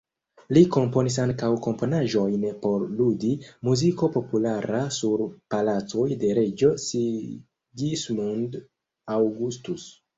Li komponis ankaŭ komponaĵojn por ludi, muziko populara sur palacoj de reĝo Sigismund Augustus.